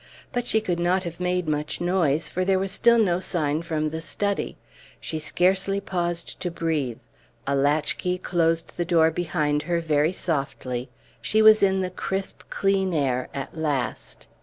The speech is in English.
But she could not have made much noise, for still there was no sign from the study. She scarcely paused to breathe. A latchkey closed the door behind her very softly; she was in the crisp, clean air at last.